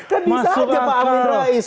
kan bisa ada pak amin rais